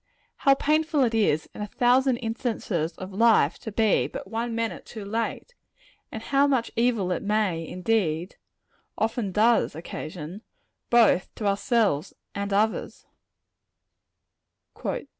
How painful it is, in a thousand instances of life, to be but one minute too late; and how much evil it may, indeed, often does occasion, both to ourselves and others!